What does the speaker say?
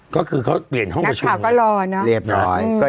ก็คือเขาเปลี่ยนห้องประชุมข่าวก็รอเนอะเรียบร้อย